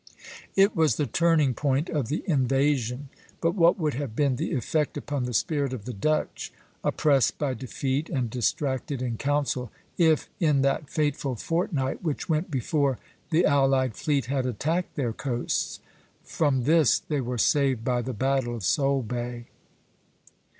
" It was the turning point of the invasion; but what would have been the effect upon the spirit of the Dutch, oppressed by defeat and distracted in council, if in that fateful fortnight which went before, the allied fleet had attacked their coasts? From this they were saved by the battle of Solebay.